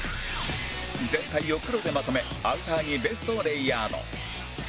全体を黒でまとめアウターにベストをレイヤード